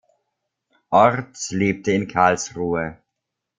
Orths lebt in Karlsruhe.